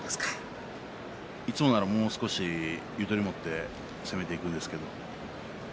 いつもなら、もう少しゆとりを持って攻めていくんですけど。